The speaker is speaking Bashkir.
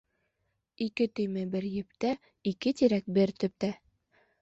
Ике төймә бер ептә, ике тирәк бер төптә.